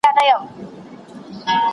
د فراغت سند بې بودیجې نه تمویلیږي.